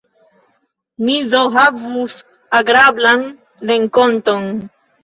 Mi do havus agrablan renkonton!